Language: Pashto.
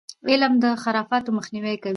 علم د خرافاتو مخنیوی کوي.